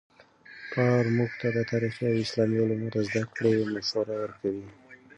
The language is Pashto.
پلار موږ ته د تاریخي او اسلامي علومو د زده کړې مشوره ورکوي.